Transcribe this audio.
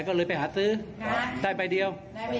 ก็เลยไปหาซื้อได้ใบเดียว